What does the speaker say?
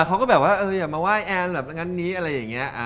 เขาก็แบบว่าอย่ามาไหว้แอนแบบงั้นนี้อะไรอย่างนี้